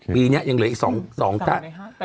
ปีนี้ยังเหลืออีก๒ท่าน